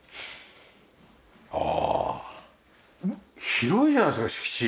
ああ広いじゃないですか敷地。